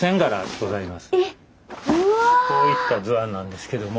こういった図案なんですけども。